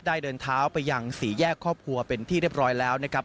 เดินเท้าไปยังสี่แยกครอบครัวเป็นที่เรียบร้อยแล้วนะครับ